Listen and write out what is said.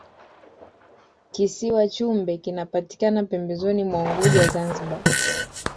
kisiwa chumbe kinapatikana pembezoni mwa unguja zanzibar